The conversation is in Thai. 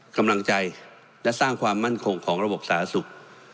กำลังใจและสร้างความมั่นคงของระบบสาธารณสุข